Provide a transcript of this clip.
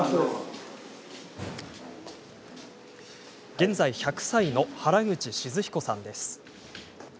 現在１００歳の原口静彦さんです。